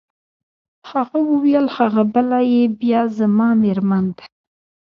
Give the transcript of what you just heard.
هغه وویل: هغه بله يې بیا زما مېرمن ده.